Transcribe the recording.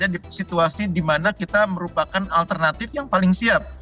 ada situasi dimana kita merupakan alternatif yang paling siap